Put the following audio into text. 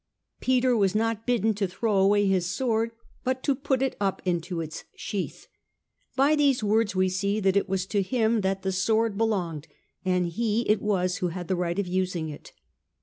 Peter was not bidden to throw away his sword, but to put it up into its sheath ; by these words we see that it was to him that the sword belonged, and he it was who had the right of using it.